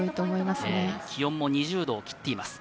気温も２０度を切っています。